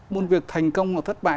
một việc thành công hoặc thất bại